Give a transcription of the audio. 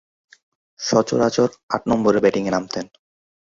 সচরাচর আট নম্বরে ব্যাটিংয়ে নামতেন।